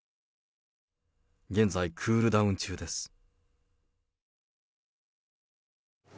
現在クールダウン中です。